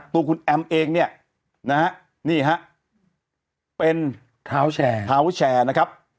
ตัวคุณแอมเองเนี่ยนะฮะนี่ฮะเป็นเท้าแชร์เท้าวิแชร์นะครับ